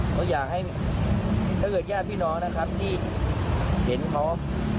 เขาอยากให้ถ้าเกิดญาติพี่น้องนะครับที่เห็นเขา